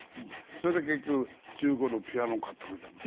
それで結局中古のピアノを買ってくれたの。